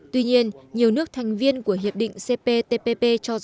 tuy nhiên nhiều nước thành viên của hiệp định cp tpp cho rằng